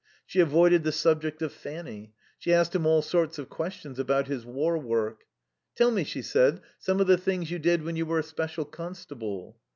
She avoided the subject of Fanny. She asked him all sorts of questions about his war work. "Tell me," she said, "some of the things you did when you were a special constable."